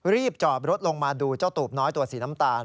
รีบจอดรถลงมาดูเจ้าตูบน้อยตัวสีน้ำตาล